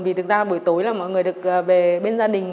vì thực ra buổi tối là mọi người được về bên gia đình